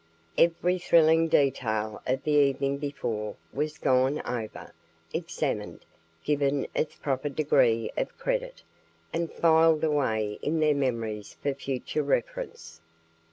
Every thrilling detail of the evening before was gone over, examined, given its proper degree of credit, and filed away in their memories for future reference.